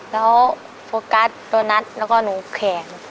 แล้วโฟกัสโดนัทแล้วก็หนูแขน